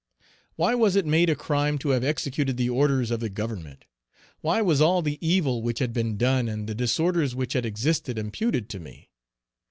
Why was it made a crime to have executed the orders of the Government? Why was all the evil which had been done and the disorders which had existed imputed to me?